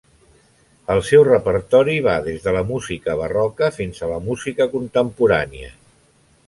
El seu repertori va des de la música barroca fins a la música contemporània.